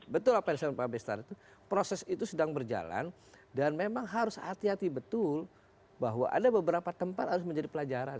betul apa yang disampaikan pak bestari proses itu sedang berjalan dan memang harus hati hati betul bahwa ada beberapa tempat harus menjadi pelajaran